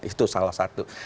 itu salah satu